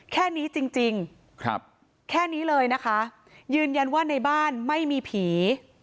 แค่นี้จริงจริงครับแค่นี้เลยนะคะยืนยันว่าในบ้านไม่มีผี